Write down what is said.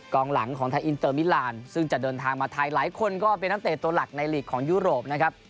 กลางหลังของไทยอินเตอร์มิลานซึ่งจะเดินทางมาไทยหลายคนก็เป็นนักเตะตัวหลักในลีกของยุโรปนะครับ